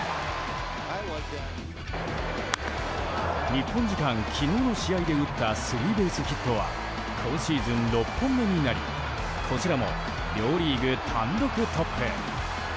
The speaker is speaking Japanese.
日本時間昨日の試合で打ったスリーベースヒットは今シーズン６本目になりこちらも、両リーグ単独トップ。